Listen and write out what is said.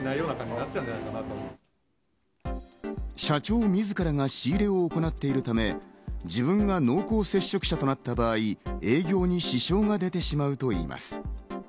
社長自らが仕入れを行っているため、自分が濃厚接触者となった場合、営業に支障が出てしまうといいます。